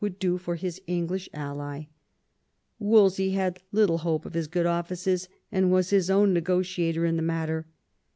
would do for his English ally. Wolsey had little hope of his good offices, and was his own negotiator in the matter.